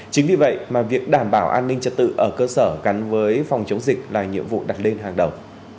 chính vì vậy mà việc đảm bảo an ninh trật tự ở cơ sở gắn với phòng chống dịch là nhiệm vụ đặt lên hàng đầu